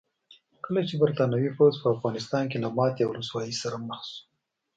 کله چې برتانوي پوځ په افغانستان کې له ماتې او رسوایۍ سره مخ شو.